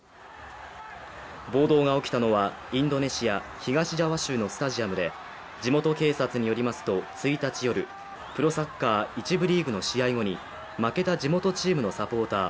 暴動が起きたのは、インドネシア東ジャワ州のスタジアムで地元警察によりますと１日夜、プロサッカー１部リーグの試合後に負けた地元チームのサポーター